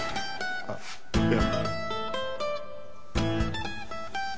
あっいや。